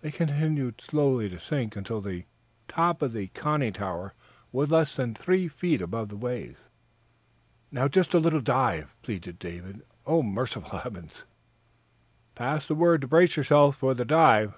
They continued slowly to sink until the top of the conning tower was less than three feet above the waves. "Now, just a little dive!" pleaded David Pollard. "Oh, merciful heaven!" "Pass the word to brace yourselves for the dive!"